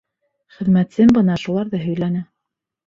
Хеҙмәтсем бына шуларҙы һөйләне.